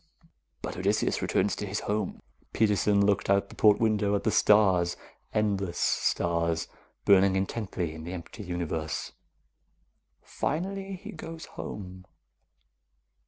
"But Odysseus returns to his home." Peterson looked out the port window, at the stars, endless stars, burning intently in the empty universe. "Finally he goes home."